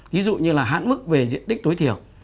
ví dụ như là hạn mức về diện tích tối thiểu